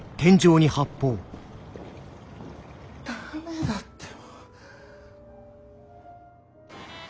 ・ダメだって。